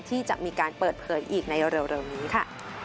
ที่จะมีการเปิดเผยอีกในเร็วนี้ค่ะ